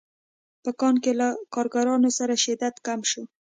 په کان کې له کارګرانو سره شدت کم شو